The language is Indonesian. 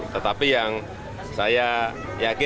tetapi yang saya yakin